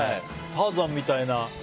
ターザンみたいな。